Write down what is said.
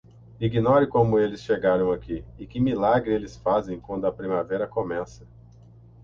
Ignore como eles chegaram aqui e que milagre eles fazem quando a primavera começa.